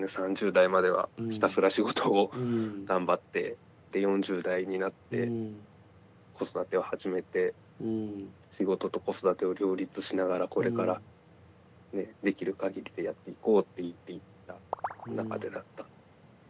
３０代まではひたすら仕事を頑張ってで４０代になって子育てを始めて仕事と子育てを両立しながらこれからできるかぎりでやっていこうって言っていた中でだった。